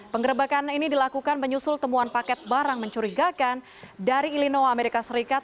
penggerebekan ini dilakukan menyusul temuan paket barang mencurigakan dari illino amerika serikat